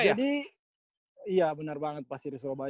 jadi ya benar banget pas seri surabaya